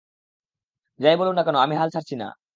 যাই বলুন না কেন, আমি হাল ছাড়ছি না!